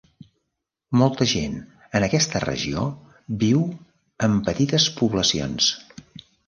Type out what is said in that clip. Molta gent en aquesta regió viu en petites poblacions.